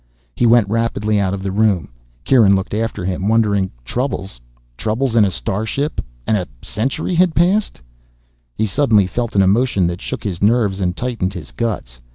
He went rapidly out of the room. Kieran looked after him, wondering. Troubles troubles in a starship? And a century had passed He suddenly felt an emotion that shook his nerves and tightened his guts.